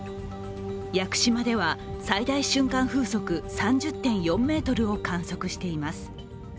屋久島では最大瞬間風速３０．４メートルを観測しています。